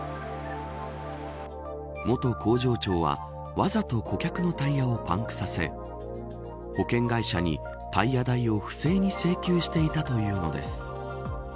元工場長はわざと顧客のタイヤをパンクさせ保険会社にタイヤ代を不正に請求していたというのです。